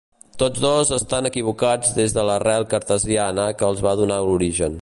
Tots dos estan equivocats des de l'arrel cartesiana que els va donar origen.